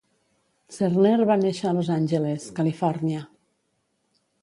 Zerner va néixer a Los Angeles, Califòrnia.